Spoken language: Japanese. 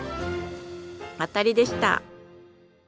当たりでした。